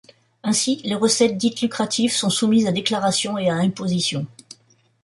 Ainsi, les recettes dites lucratives, sont soumises à déclaration et à imposition.